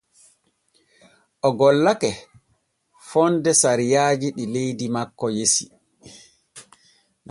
O gollake fonde sariyaaji ɗi leydi makko resi.